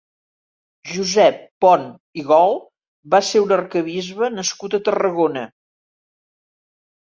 Josep Pont i Gol va ser un arquebisbe nascut a Tarragona.